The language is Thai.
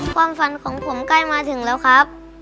ความฝันของผมใกล้มาถึงแล้วครับ